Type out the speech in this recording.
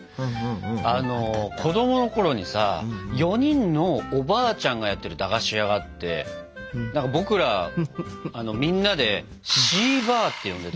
あの子供のころにさ４人のおばあちゃんがやってる駄菓子屋があって僕らみんなで「四婆」って呼んでた。